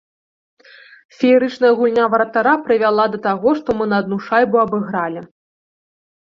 Феерычная гульня варатара прывяла да таго, што мы на адну шайбу абыгралі.